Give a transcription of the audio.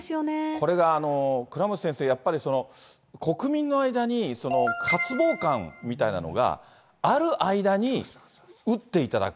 これが、倉持先生、やっぱり、国民の間に、渇望感みたいなのがある間に打っていただく。